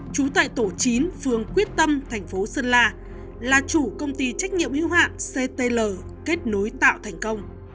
chú tại tổ chín phương quyết tâm thành phố sơn la là chủ công ty trách nhiệm hữu hạn ctl kết nối tạo thành công